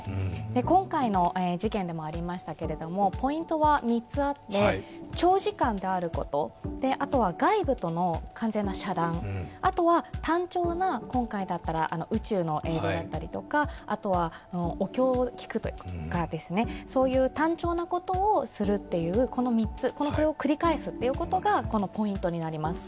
今回の事件でもありましたけれどもポイントは３つあって、長時間であること、外部との完全な遮断、あとは単調な、今回だったら宇宙の映像だったりとか、お経を聞くとか、そういう単調なことをするという、この３つ、これを繰り返すことがポイントになります。